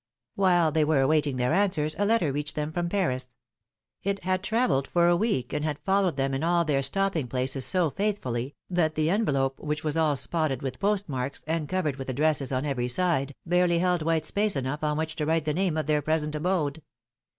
While they were awaiting their answers, a letter reached them from Paris. It had travelled for a week, and had followed them in all their stopping places so faithfully, that the envelope, v^^hich was all spotted with postmarks, and covered with addresses on every side, barely held PHILOM]^NE's markiages. 91 white space enough on which to write the name of their present abode.